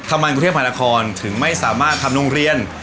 กรุงเทพหานครถึงไม่สามารถทำโรงเรียน